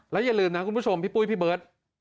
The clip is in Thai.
อย่าลืมนะคุณผู้ชมพี่ปุ้ยพี่เบิร์ต